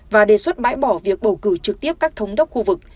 và đề xuất bãi bỏ việc bầu cử trực tiếp các thống đốc khu vực